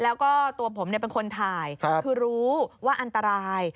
แล้วก็ตัวผมเป็นคนถ่ายคือรู้ว่าอันตราย